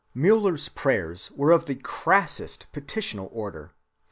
Müller's prayers were of the crassest petitional order.